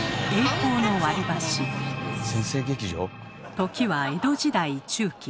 時は江戸時代中期。